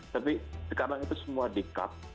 tapi sekarang itu semua di cup